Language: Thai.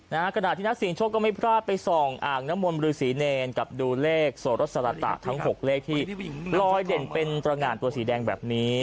นะฮะกระดาษที่นักศิลป์โชคก็ไม่พลาดไปส่องอ่างนมนต์บริษีเนรกับดูเลขโสฬสละตะทั้งหกเลขที่ร้อยเด่นเป็นตรง่านตัวสีแดงแบบนี้